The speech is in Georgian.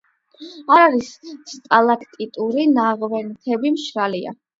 არ არის სტალაქტიტური ნაღვენთები, მშრალია.